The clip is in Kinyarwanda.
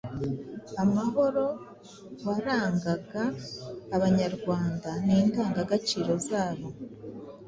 amahoro warangaga Abanyarwanda n’indangagaciro zawo.